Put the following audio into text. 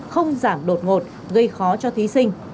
không giảm đột ngột gây khó cho thí sinh